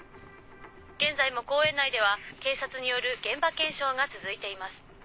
現在も公園内では警察による現場検証が続いています。